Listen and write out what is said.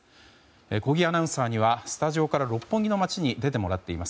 小木アナウンサーにはスタジオから六本木の街に出てもらっています。